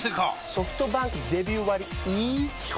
ソフトバンクデビュー割イズ基本